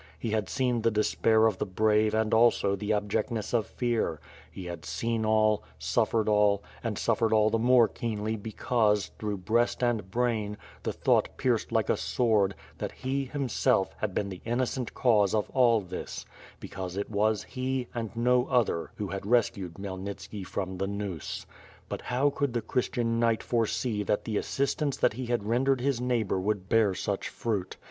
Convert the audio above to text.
He had seen the despair of the brave and also the abjectness of fear — he had seen all, suffered all; and suffered all the more keenly because, through breast and brain, the thought pierced like a sword, that he, himself, had been the innocent cause of all this; because it was he, and no other who had rescued Khmyel nitski from the noose. But how could the Christian knight foresee that the assistance that he had rendered his neighbor v/ould bear such fruit.